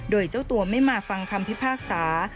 โดยเจ้าตัวไม่มาฟังคำพิพากษา